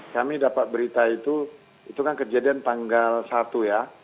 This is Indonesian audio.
kami dapat berita itu itu kan kejadian tanggal satu ya